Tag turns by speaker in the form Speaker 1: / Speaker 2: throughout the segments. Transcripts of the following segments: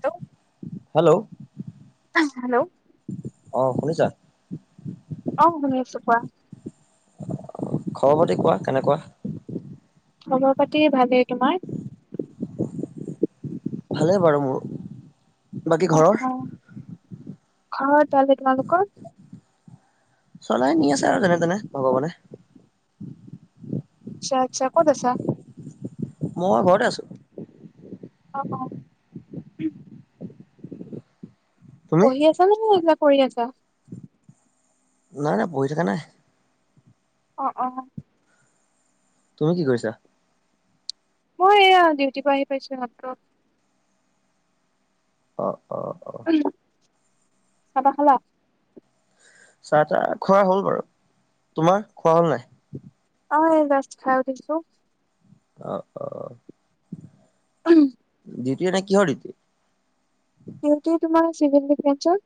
Speaker 1: Hello
Speaker 2: hello
Speaker 1: আহ hello
Speaker 2: অ' শুনিছা?
Speaker 1: অ' শুনছো কোৱা।
Speaker 2: খবৰ পাতি কোৱা কেনেকুৱা?
Speaker 1: খবৰ পাতি ভালেই, তোমাৰ?
Speaker 2: ভালে বাৰু মোৰ, বাকী ঘৰৰ?
Speaker 1: ঘৰৰ ভালেই তোমালোকৰ?
Speaker 2: চলাই নি আছে আৰু যেনে তেনে ভগৱানে।
Speaker 1: আচ্ছা আচ্ছা ক'ত আছা?
Speaker 2: মই ঘৰতে আছো।
Speaker 1: আহ', অ'।
Speaker 2: তুমি
Speaker 1: পঢ়ি আছা নে কিবা কৰি আছা?
Speaker 2: নাই নাই পঢ়ি থকা নাই।
Speaker 1: অ' অ'।
Speaker 2: তুমি কি কৰিছা?
Speaker 1: মই এয়া ডিউটিৰ পৰা আহি পাইছো মাত্ৰ।
Speaker 2: অ'। অ অ
Speaker 1: উ চাহ তাহ খালা?
Speaker 2: চাহ তাহ খোৱা হল বাৰু তোমাৰ খোৱা হল নাই।
Speaker 1: অ' এই যাষ্ট খাই উঠিছো।
Speaker 2: আহ', অ'।
Speaker 1: উম।
Speaker 2: ডিউটি এনে কিহৰ ডিউটি
Speaker 1: ডিউটি তোমাৰ চিভেল ডিফেনছৰ।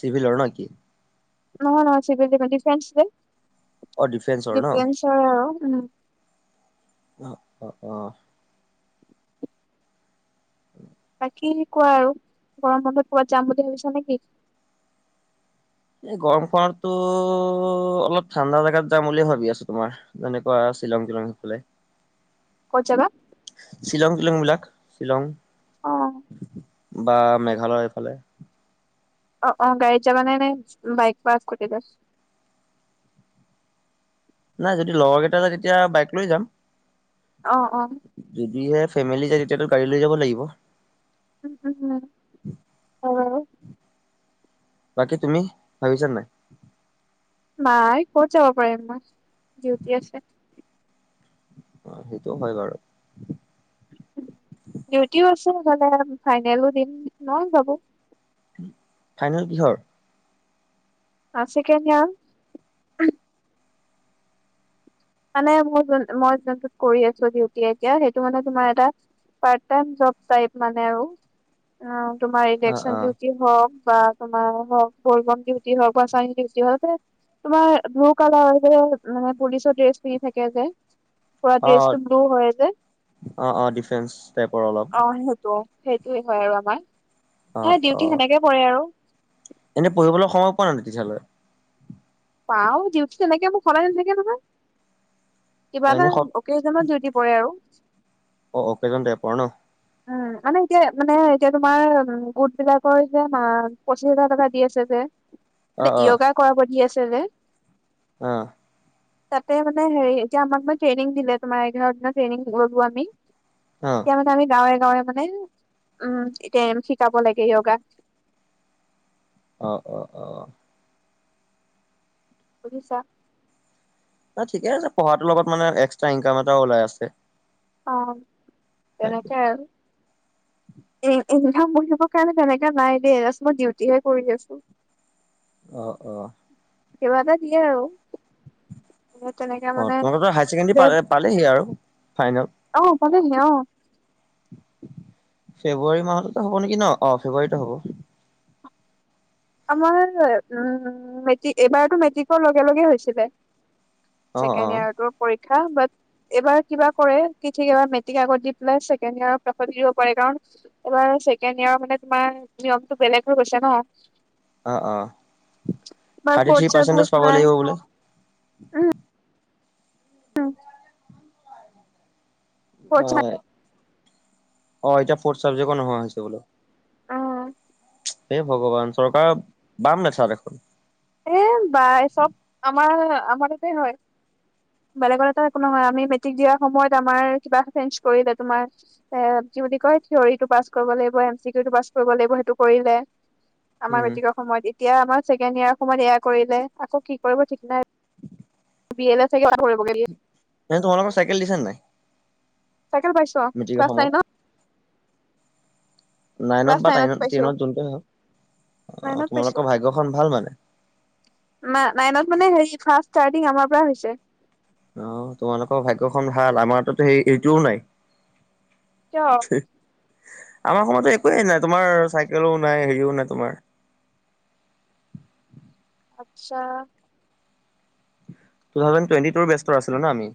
Speaker 2: চিভিলৰ ন কি?
Speaker 1: নহয় নহয় চিভেল ডিফেন, ডিফেন্স যে
Speaker 2: অ ডিফেন্সৰ ন
Speaker 1: ডিফেন্সৰ আৰু। উম।
Speaker 2: অ' অ' অ'।
Speaker 1: বাকী কোৱা আৰু গৰম বন্ধত ক'ৰবাত যাম বুলি ভাবিছা নেকি?
Speaker 2: এই গৰম খনতো অলপ ঠাণ্ডা জেগাত যাম বুলিয়ে ভাবি আছো তোমাৰ যেনেকুৱা শ্বিলং। [unintelligible]
Speaker 1: ক'ত যাবা?
Speaker 2: শ্বিলং তিলং বিলাক শ্বিলং
Speaker 1: অ
Speaker 2: বা মেঘালয়ৰফালে।
Speaker 1: অ' অ' গাড়ীত যাবা নে নাই বাইক বা স্কুটিলৈ।
Speaker 2: নাই যদি লগৰ কেইটা যায় তেতিয়া বাইক লৈ যাম।
Speaker 1: আহ', অ'।
Speaker 2: যদিহে ফেমিলি যায় তেতিয়াতো গাড়ী লৈ যাব লাগিব।
Speaker 1: উম, উম, উম, অ'।
Speaker 2: বাকী তুমি ভাবিছা নাই?
Speaker 1: নাই ক'ত যাব পাৰিম মই ডিউটি আছে।
Speaker 2: অ' সেইটো হয় বাৰু।
Speaker 1: ডিউটিও আছে মানে ফাইনেলো দিম নোৱাৰো যাব।
Speaker 2: ফাইনেল কিহৰ?
Speaker 1: আছিকে নিয়া। মানে মোৰ মই যোনটোত কৰি আছো ডিউটি এতিয়া সেইটো মানে তোমাৰ এটা part time job side type মানে আৰু তোমাৰ
Speaker 2: অ'
Speaker 1: ইলেকচন
Speaker 2: অ'।
Speaker 1: ডিউটি হওঁক। বা তোমাৰ হওঁক বলবম ডিউটি হওঁক বা চাইউটিচ হওঁক। তোমাৰ ঢৌ কালা যে মানে পুলিচৰ ড্ৰেছ পিন্ধি থাকে যে পৰা
Speaker 2: অ'
Speaker 1: ড্ৰেছটো ব্লু হয় যে
Speaker 2: অ' অ' ডিফেন্স টাইপৰ অলপ।
Speaker 1: অ' সেইটো। সেইটোয়ে হয় আৰু আমাৰ
Speaker 2: অ'
Speaker 1: হে ডিউটি
Speaker 2: অ'।
Speaker 1: সেনেকে পৰে আৰু
Speaker 2: এনে পঢ়িবলৈ সময় পোৱা নাই তেতিয়ালৈ?
Speaker 1: পাও ডিউটি তেনেকে মোক সদায় নেথাকে নহয়। কিবা এটা
Speaker 2: এনে সপ
Speaker 1: অকেজনত ডিউটি পৰে আৰু।
Speaker 2: অ' অ' অকেজন বেয়া পোৱা ন?
Speaker 1: উম মানে এতিয়া মানে এতিয়া তোমাৰ গোট বিলাকৰ যে পঁচিশ হেজাৰ টকা দি আছে যে।
Speaker 2: অ'
Speaker 1: য়োগা কৰাব দি আছে যে।
Speaker 2: আহ।
Speaker 1: তাতে মানে হেৰি এতিয়া আমাক মানে ট্ৰেইনিং দিলে তোমাৰ এঘাৰটা দি ট্ৰেইনিং ললো আমি
Speaker 2: অ'।
Speaker 1: এতিয়া মানে আমি। গাঁৱে গাঁৱে মানে উম, এতিয়া এম শিকাব লাগে য়োগা।
Speaker 2: অ' অ' অ' অ'।
Speaker 1: বুজিছা।
Speaker 2: ন ঠিকে আছে, পঢ়াটোৰ লগত মানে এক্সট্ৰা ইনকাম এটাও ওলাই আছে।
Speaker 1: অ' তেনেকে আৰু উ উ [unintelligible] কাৰণে তেনেককা নাই দেই এ মই ডিউটিহে কৰি আছো।
Speaker 2: অ' অ'।
Speaker 1: কিবা এটা দিয়ে আৰু তেনেকে
Speaker 2: অ'
Speaker 1: মানে
Speaker 2: তোমালোক হায়াৰ
Speaker 1: যে
Speaker 2: ছেকেণ্ডেৰী পালেহি আৰু ফাইনেল।
Speaker 1: অ পালেহি ন অ'।
Speaker 2: ফেব্ৰুৱাৰী মাহততো হ'ব নেকি ন অ' ফেব্ৰুৱাৰীত হ'ব।
Speaker 1: আমাৰ উম, মেট্ৰিক এইবাৰতো মেট্ৰিকৰ লগে লগে হৈছিলে।
Speaker 2: অ' অ'
Speaker 1: ছেকেণ্ড ইয়েৰৰ টো পৰীক্ষা। শ বাট এবাৰ কিবা কৰে কি ঠিক এবাৰ মেট্ৰিক আগত দি পেলাই ছেকেণ্ড ইয়াৰ পাছত দিব পাৰে, কাৰণ এইবাৰ ছেকেণ্ড ইয়াৰৰ কাৰণে তোমাৰ নিয়মটো বেলেগ হৈ গৈছে ন।
Speaker 2: অ' অ'
Speaker 1: তোমাৰ
Speaker 2: thirty
Speaker 1: fourth
Speaker 2: three
Speaker 1: subject
Speaker 2: percentage পাব
Speaker 1: নাই
Speaker 2: লাগিব বোলে।
Speaker 1: উম। ফৰ্থ নাই।
Speaker 2: অ' অ' এতিয়া ফ্ৰৰ্থ চাবজেক্ট নোহোৱা হৈছে বোলো।
Speaker 1: উম
Speaker 2: এ ভগৱান চৰকাৰ বাম নেচা দেখোন।
Speaker 1: এ বা চ'ব আমাৰ আমাৰ ততে হয়। বেলেগত এটা একো নহয়, আমি মেট্ৰিক দিয়া সময়ত আমাৰ কিবা চেঞজ কৰিলে তোমাৰ এ কি বুলি কয় থিয়ৰিটো পাছ কৰিব লাগিব, এম চি কিউ টো পাছ কৰিব লাগিব সেইটো কৰিলে, আমাৰ
Speaker 2: উম,
Speaker 1: মেট্ৰিক সময়ত এতিয়া আমাৰ ছেকেণ্ড ইয়াৰ সময়ত এয়াৰ কৰিলে আকৌ কি কৰিব ঠিক নাই। বি এল চাগে কৰিবগৈ।
Speaker 2: নে তোমালোকৰ চাইকেল দিছে নাই।
Speaker 1: চাইকেল পাইছো
Speaker 2: মেট্ৰিকৰ
Speaker 1: ক্লাছ নাইন
Speaker 2: সময়ত?
Speaker 1: ত।
Speaker 2: নাইনত বা টাইন টেনত যোনকে আহওক। অ' তোমালোকৰ ভাগ্যখন ভাল মানে।
Speaker 1: ন নাইনত মানে হ ফাৰ্ষ্ট ইচটাৰটিং আমাৰ পৰা হৈছে।
Speaker 2: আহ তোমালোকৰ ভাগ্যখন ভাল আমাৰতো সেই এইটোও নাই।
Speaker 1: কিয়
Speaker 2: আমাৰ সময়তো একোৱেই নাই, তোমাৰ চাইকেলো নাই, হেৰিও নাই তোমাৰ।
Speaker 1: আচ্ছা।
Speaker 2: টু থাউজে টুৱেটি টু ব্যস্তৰ আছিলো ন আমি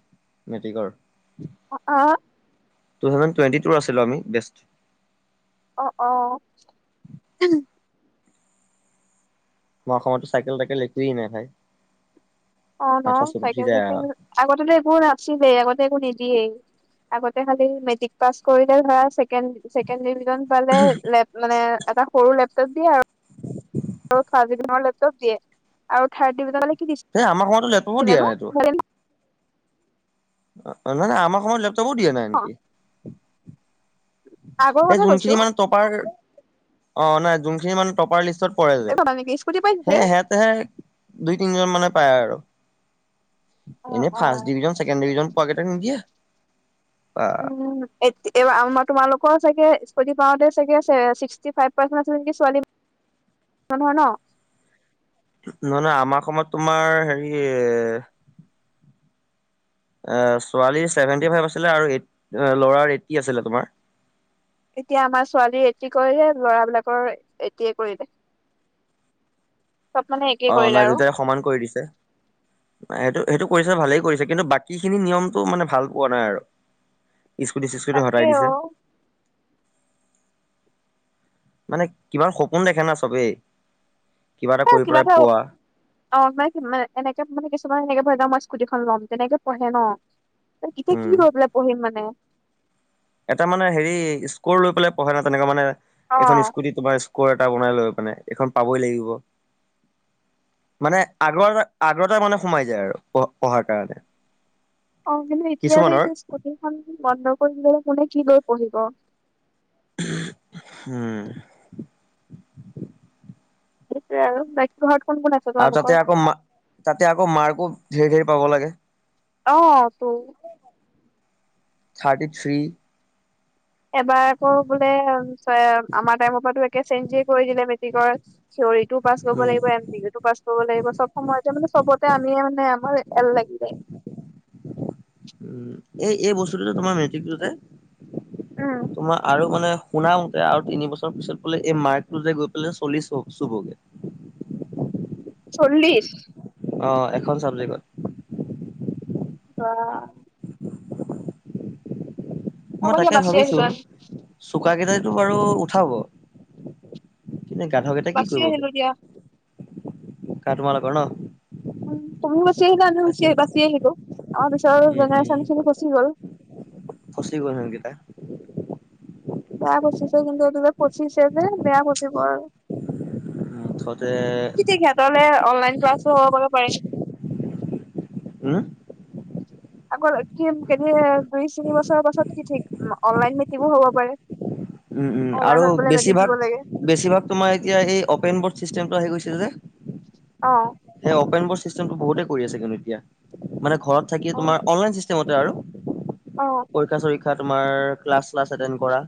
Speaker 2: মেট্ৰিকৰ।
Speaker 1: অ
Speaker 2: টু থাউজে টেটি ট আছিলো আমি বেষ্ট
Speaker 1: অ অ
Speaker 2: মই সময়তো চাইকেল তাইাকেল একোৱেই নাই ভাই
Speaker 1: অ ন
Speaker 2: মাথা চুল উঠি
Speaker 1: চাইকেল
Speaker 2: যায়
Speaker 1: চাইকেল
Speaker 2: আৰু।
Speaker 1: আগতে একো নাতিছিলেই আগতে একো নিদিয়েই আগতে খালি মেট্ৰিক পাছ কৰিলে ধৰা ছেকেণ্ড ডিভিজন পালে লেপ মানে এটা সৰু লেপটপ দিয়ে আৰু আৰু ফাৰ্ষ্ট ডিভিজনত লেপটপ দিয়ে, আৰু থাৰ্ড
Speaker 2: এই আমাৰ সময়তো লেপটপো দিয়া
Speaker 1: [unintelligible]
Speaker 2: অ' নহ নে আমাৰ সময়ত লেপটপো দিয়া নাই আনকি।
Speaker 1: আগৰ
Speaker 2: এই
Speaker 1: কথা কৈছো
Speaker 2: যোনখিনি মানে টপাৰ অ' নহ যোনখিনি মানে টপাৰ লিষ্টত। কৰে
Speaker 1: এই
Speaker 2: যে
Speaker 1: পালা নেকি স্কুটি পাইছে।
Speaker 2: সেই সিহঁতে দুই তিনিজন মানে পায় আৰু। এনেই ফাৰ্ষ্ট ডিভিজন ছেকেণ্ড ডিভিজন পোৱা কেইটাক নিদিয়ে। বা
Speaker 1: উম, আমাৰ তোমালোক াগ স্ চাগে সীষ্টি [unintelligible] ফাইভ পৰ্চেন্ত আছে নেকি ছোৱালী হয় ন
Speaker 2: নহ নহয় আমাৰ সময়ত তোমাৰ হেৰি ছোৱালী চেভেন্টি ফাইভ আছিলে আৰু ল'ৰাৰ এইটি [unintelligible] আছিলে তোমাৰ
Speaker 1: এতিয়া আমাৰ ছোৱালী এটি কৰিলে লৰাবিলাকৰ এইটোয়ে কৰিলে [unintelligible] একেই
Speaker 2: অ
Speaker 1: কৰিলে
Speaker 2: নাই
Speaker 1: আৰু
Speaker 2: দুইতাই সমান কৰি দিছে সেইটো সেইটো কৰিছে ভালেই কৰিছে কিন্তু বাকীখিনি নিয়মটো মানে ভাল পোৱা নাই আৰু স্কুটি চিস্কুটি
Speaker 1: তাকে
Speaker 2: সতাই
Speaker 1: অ
Speaker 2: দিছে মানে কিমান সপোন দেখে না চবেই কৰি
Speaker 1: কিবা
Speaker 2: পেলাই
Speaker 1: এটা
Speaker 2: পোৱা
Speaker 1: অে এনেকে মানে কিছুমান এনে ভদ মই স্কুটিখন ল'ম তেনেকে পঢ়ে ন ত কেতিয়া কি
Speaker 2: উম
Speaker 1: লৈ পেলাই পঢ়িম মানে
Speaker 2: এটা মানে হেৰি স্কৰ লৈ পেলাই পঢ়া নাই তেনেকুৱা মানে
Speaker 1: অ
Speaker 2: এখন স্কুটি তোমাৰ ক এটা বনাই লৈ মানে এইখন পাবই লাগিব মানে আগৰ আগতে মানে সোমাই যায় আৰু পঢ পঢ়াৰ কাৰণে
Speaker 1: অ কিন্তু এতিয়াটো
Speaker 2: কিছুমানৰ।
Speaker 1: যে স্কুটিখন বন্ধ কৰি ললে কোনে কি লৈ পঢ়িব
Speaker 2: হম
Speaker 1: আৰু বাকী ঘ
Speaker 2: আৰু তাতে আকৌ মা তাতে আকৌ মাৰ্কো ধেৰি ধেৰি পাব লাগে
Speaker 1: অ ত
Speaker 2: থাৰ্টি থ্ৰী
Speaker 1: এবাৰ আকৌ বোলে আমাৰ টাইমৰ পৰা একে চেঞ্জে কৰি দিলে মেট্ৰিকৰ থৰ টো পাছ কৰিব
Speaker 2: উম
Speaker 1: লাগিব এম চি ই টো পাছ কৰিব লাগিব সব সময়তে মানে চবতে আমিয়ে মানে আমাৰ এল লাগি [unintelligible] জাই
Speaker 2: উ, এই-এই বস্তুটোতে তোমাৰ মেট্ৰিকটোতে
Speaker 1: উম
Speaker 2: তোমাৰ আৰু মানে শুনাওতে আৰু তিন বছৰ পিছত বোলে এই মাৰ্কটো যে গৈ পেলাই চলিছ চুবগে
Speaker 1: চল্লিশ
Speaker 2: অ, এখন চাবজেক্টত
Speaker 1: আহ, হ'ব
Speaker 2: মই
Speaker 1: দিয়া
Speaker 2: তাকে
Speaker 1: বাচি
Speaker 2: ভাবিছো
Speaker 1: আহিলো
Speaker 2: [unintelligible] কেইটাই বাৰু উঠাব কিন্তু, গাধকেইটা কি
Speaker 1: বাচি
Speaker 2: কৰিবগে
Speaker 1: আহিলো দিয়া
Speaker 2: কাৰ তোমালোকৰ ন?
Speaker 1: উ, তুমিও বাচি আহিলা আমিও
Speaker 2: তাকে
Speaker 1: আহ বাচি আহিলো আমাৰ পিচৰৰ জেনেৰেশ্যন খিনি গুচি গ'ল
Speaker 2: ফছি গল হিহঁত কি ত [unintelligible]
Speaker 1: বেয়া পছিছে কিন্তু এইটো পচিছে যে বেয়া পচিব আৰু
Speaker 2: মুঠতে
Speaker 1: কেতলে অনলাইন ক্লাছো হ'ব পাব পাৰে।
Speaker 2: হম
Speaker 1: আগ কি কেনে দুই তিনি বছৰৰ পাছত কি ঠিক অনলাইন [unintelligible] হ'ব পাৰে। [inaudible]
Speaker 2: উম আৰু
Speaker 1: অনলাইনত বোলে মেট্ৰিক
Speaker 2: বেছিভাগ
Speaker 1: দিব লাগে
Speaker 2: বেছিভাগ তোমাৰ এতিয়া এই অপেন বৰ্ড চিষ্টেমটো আহি গৈছে যে
Speaker 1: অ
Speaker 2: সেই অপেন ব [unintelligible] বহুতে কৰি আছে কিন্তু এতিয়া মানে ঘৰত থাকি
Speaker 1: অ
Speaker 2: তোমাৰ অনলাইন চিষ্টেমতে আৰু,
Speaker 1: অ
Speaker 2: পৰী তোমাৰ স্কাছ চাচ এতেনদ কৰা,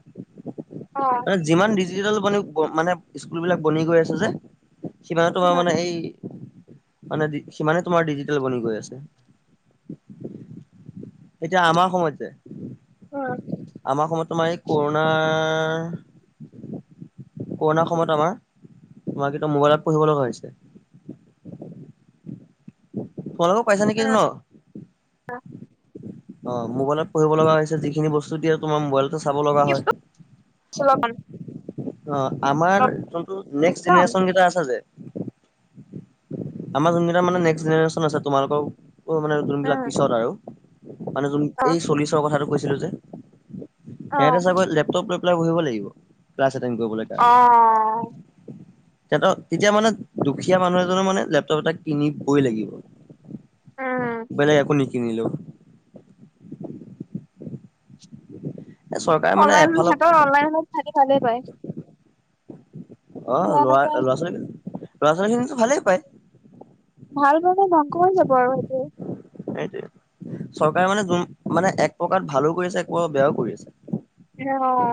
Speaker 1: অ
Speaker 2: যিমান মান মানে স্কুল বিলাক বনি গৈ আছে যে সিমানে তোমাৰ
Speaker 1: উম
Speaker 2: মানে এই মানে সিমানে তোমাৰ ডিজিটেল বনি গৈ আছে। এতিয়া আমাৰ সময়ত যে
Speaker 1: উম,
Speaker 2: আমাৰ সময়ত তোমাৰ এই কৰোনা কৰণাৰ সময়ত আমাৰ মোবাইলত পঢ়িব লগা হৈছে। তোমালোকো [unintelligible] পাইছা নেকি
Speaker 1: উম
Speaker 2: ন?
Speaker 1: [inaudible]
Speaker 2: অ, মোবাইলত পঢ় লগা হৈছে যিখিনি বস্তু দিয়ে তোমাৰ মোবাইল চাব লগা
Speaker 1: কি
Speaker 2: হয়।
Speaker 1: লকডাউন
Speaker 2: অ' আমাৰ যোনটো নেক্স জেনেৰেশ্যন কেইটা আছে য আমাৰ যোনকেইটা মানে জনেশন আছে, তোমালোকৰ মানে যোনবিলাক
Speaker 1: উম
Speaker 2: পিছত আৰু মানে যোন
Speaker 1: অ
Speaker 2: এই চল্লিছৰ কথাটো কৈছিলো যে
Speaker 1: অ
Speaker 2: সিহতে চাগৈ লেপটপ [unintelligible] লাগিব ক্লাছ এটেণ্ড কৰিবলৈ কাৰণে।
Speaker 1: অ'।
Speaker 2: [unintelligible] তেতিয়া মানে দুখীয়া মানুহ এজনৰ মানে লেপটপ এটা কিনিবই লাগিব।
Speaker 1: উম
Speaker 2: বলে একাকো নিকি নিলো মানে
Speaker 1: অনলাইন
Speaker 2: এফালৰ
Speaker 1: সিহঁতৰ অনলাইনত থাকি ভালেই পায়।
Speaker 2: আহ
Speaker 1: বেয়া নাপায়
Speaker 2: ল'ৰা-ল'ৰা-ছোৱালী, ল'ৰা-ছোৱালী খিনিতো ভালেই পায়।
Speaker 1: ভাল মানে ধংসহৈ যাব আৰু সেইটোৱে।
Speaker 2: সেইটয়ে চৰকাৰে মানে যোন মানে এক প্ৰকাৰ ভালো কৰিছে। এক প্ৰকাৰ বেয়াও কৰি আছে।
Speaker 1: অ'।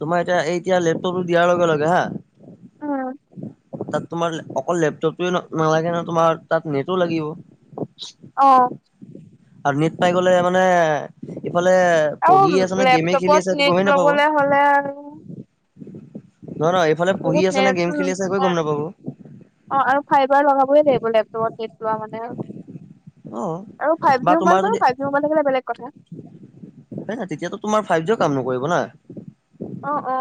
Speaker 2: তোমাৰ এতিয়া এই এতিয়া লেপটপটো দিয়াৰ লগে-লগে হা
Speaker 1: উম।
Speaker 2: তাত তোমাৰ অকল লেপটপে নালাগে ন তোমাৰ তাত নেটো লাগিব।
Speaker 1: অ'।
Speaker 2: আৰু নীট পাই গ'লে মানে ইফালে পঢ়ি
Speaker 1: আৰু
Speaker 2: আছে নে গেমে খেলি
Speaker 1: লেপটপত
Speaker 2: আছে, এক
Speaker 1: নেট
Speaker 2: গমেই নাপাব।
Speaker 1: লবলে হ'লে আৰু
Speaker 2: নহয় নহয় এইফালে পঢ়ি
Speaker 1: বহুত
Speaker 2: আছে নে
Speaker 1: হেন
Speaker 2: গেম খেলি আছে একোৱে
Speaker 1: তোমাৰ
Speaker 2: গম নাপাব অ।
Speaker 1: অ' আৰু খাই বাৰ লগাবই লাগিব লেপটপ [unintelligible] লোৱা মানে। আৰু ফাইভ
Speaker 2: বা
Speaker 1: জি
Speaker 2: তোমাৰ
Speaker 1: মোবাইল
Speaker 2: যদি
Speaker 1: বাৰু ফাইভ জি মোবাইল থাকিলে বেলেগ কথা।
Speaker 2: হয় নাই তেতিয়াটো তোমাৰ ফাইভ জি' কাম নকৰিব না।
Speaker 1: অ', অ'।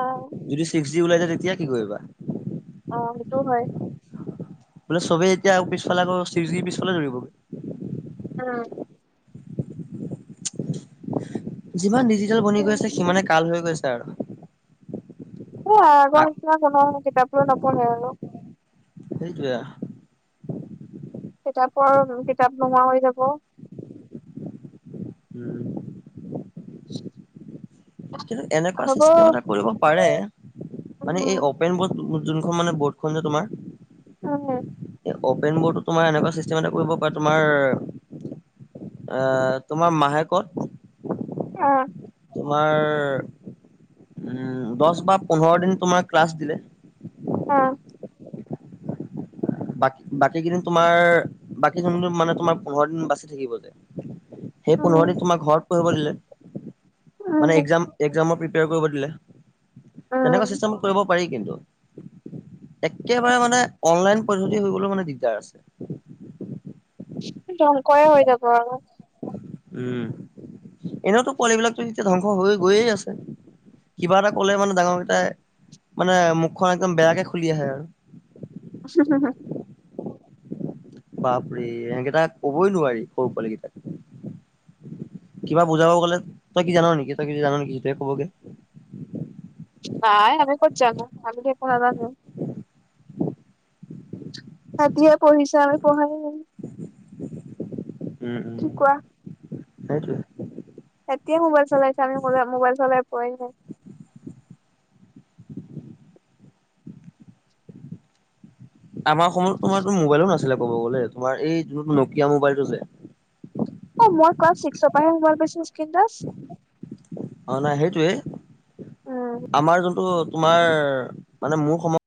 Speaker 2: যদি ছিক্স ওলাই যায় তেতিয়া কি কৰিবা?
Speaker 1: অ' সেইটো হয়।
Speaker 2: বোলে চবেই এতিয়া ঔ পিছফালে আকৌ চিজিঙ পিছফালে দৌৰিবগৈ। যিমান ডিজিটেল বনি গৈ আছে সিমানে কাল হৈ গৈ আছে আৰু।
Speaker 1: এ আগৰ নিচিনা কোনো কিতাপ লই নপঢ়ে আৰু।
Speaker 2: হেইটোয়ে।
Speaker 1: কিতাপৰ কিতাপ নোহোৱা হৈ যাব।
Speaker 2: উম।
Speaker 1: [inaudible]
Speaker 2: কিন্তু এনেকুৱা
Speaker 1: হ'ব
Speaker 2: চিষ্টেম এটা কৰিব পাৰে মানে এই
Speaker 1: উম
Speaker 2: অপেন ব যোনখন মানে বৰ্ডখন যে তোমাৰ
Speaker 1: হম হম।
Speaker 2: এই অপেন বটো তোমাৰ এনেকুৱা চিষ্টেম এটা কৰিব পাৰে তোমাৰ এ তোমাৰ মাহে কত
Speaker 1: অ'।
Speaker 2: তোমাৰ উম দহ বা পোন্ধৰ দিন তোমাৰ ক্লাছ দিলে
Speaker 1: অ'।
Speaker 2: বাকী বাকী কেইদিন তোমাৰ বাকী [unintelligible] মানে তোমাৰ পোন্ধৰ দিন বাচি থাকিব যে সেই পোন্ধৰ দিন
Speaker 1: উম
Speaker 2: তোমাক ঘৰত পঢ়িব দিলে। মানে
Speaker 1: উম
Speaker 2: এক্জাম একজামৰ প্ৰিপেয়াৰ কৰিব দিলে
Speaker 1: উম
Speaker 2: তেনেকুৱা চিষ্টেমট কৰিব পাৰি কিন্তু একেবাৰে মানে অনলাইন পদ্ধতি হৈ গলে মানে দিগদাৰ আছে।
Speaker 1: ধ্বংসয়ে হৈ যাব আৰু
Speaker 2: উম, এনেওতো পোৱালী বিলাকতো এতিয়া ধ্বংস হৈ গৈয়ে আছে। কিবা এটা কলে মানে ডাঙৰকেইটাই মানে মুখখন একদম বেয়াকে খুলি আহে আৰু।
Speaker 1: হ হু হ
Speaker 2: বাপৰে ইহঁতকেটাক কবই নোৱাৰি সৰু পোৱালি কেইটাক। কিবা বুজাব গ'লে তই কি জান নেকি তই কি জান নেকি সেইটোহে ক'বগে।
Speaker 1: নাই আমি ক'ত জানো আমি টো একো নাজানো। সিহঁতে পঢ়িছে আমি পঢ়াই নাই।
Speaker 2: উম
Speaker 1: কি
Speaker 2: উম, সেইটোৱে।
Speaker 1: এতিয়ে মোবাইল চলাইছো আমি মোবাই মোবাইল চলাই পোৱাই নাই।
Speaker 2: আমাৰ সময়ত তোমাৰতো মোবাইলো নাছিলে ক'ব গ'লে তোমাৰ এই যোনটো নকিয়া মোবাইলটো যে
Speaker 1: অ' মই ক্লাছ চিক্সৰ পৰাহে মবাইল পাইছো স্ক্ৰীন তাচ।
Speaker 2: অ' নাই সেইটোৱে, আমাৰ যোনটো তোমাৰ মানে মোৰ সময়